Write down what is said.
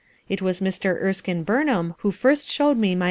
It was Mr. Krekine JJurnham who first showed me my.